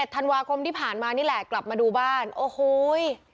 ธันวาคมที่ผ่านมานี่แหละกลับมาดูบ้านโอ้โห